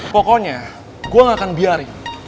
pokoknya gue gak akan biari